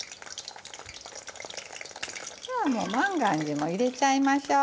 じゃあもう万願寺も入れちゃいましょう。